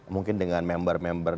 mungkin dengan member member